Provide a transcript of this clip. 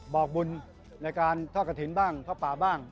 บอกบุญในการเทาะกะถิ่นบ้างภพบาบ้าง